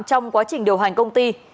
trong quá trình điều hành công ty